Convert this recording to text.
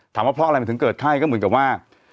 ว่าเพราะอะไรมันถึงเกิดไข้ก็เหมือนกับว่า